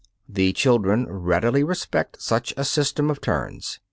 The children readily respect such a system of turns.